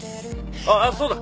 あっそうだ！